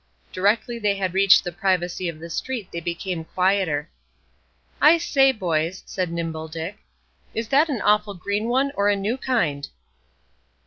Directly they had reached the privacy of the street they became quieter. "I say, boys," said Nimble Dick, "is that an awful green one, or a new kind?"